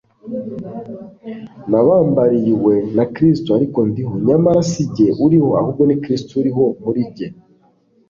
"Nabambariywe na Kristo ariko ndiho, nyamara sijye uriho ahubwo ni Kristo uriho muri jye.